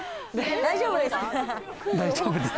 大丈夫です。